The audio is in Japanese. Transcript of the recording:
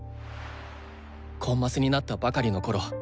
コンマスになったばかりのころ